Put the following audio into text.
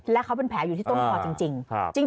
และเขาเป็นแผลอยู่ที่ต้นคอจริง